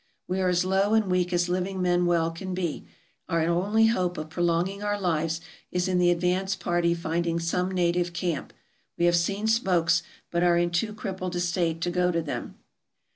We are as low and weak as living men well can be, and our only hope of prolonging our lives is in the advance party finding some native camp ; we have seen smokes, but are in too crippled a state to go to them.